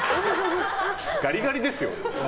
ガリガリですよ。